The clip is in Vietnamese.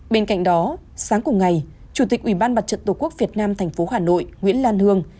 bên cạnh đó sáng cùng ngày chủ tịch ủy ban mặt trận tổ quốc việt nam tp hà nội nguyễn lan hương